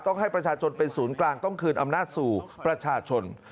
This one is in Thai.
ให้ประชาชนเป็นศูนย์กลางต้องคืนอำนาจสู่ประชาชน